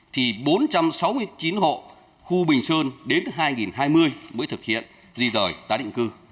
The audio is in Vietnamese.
thì bốn trăm sáu mươi chín hộ khu bình sơn đến hai nghìn hai mươi mới thực hiện di rời tái định cư